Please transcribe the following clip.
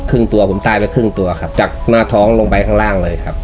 ครึ่งตัวผมตายไปครึ่งตัวครับจากหน้าท้องลงไปข้างล่างเลยครับ